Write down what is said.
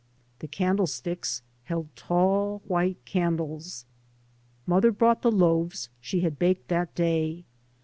The candle sticks held tall white candles. Mother brought the loaves she had baked that day.